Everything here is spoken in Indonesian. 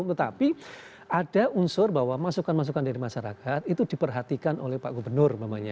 tetapi ada unsur bahwa masukan masukan dari masyarakat itu diperhatikan oleh pak gubernur